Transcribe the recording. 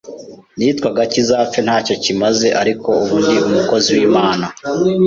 nitwaga kizapfe ntacyo kimaze ariko ubu ndi umukozi w’Imana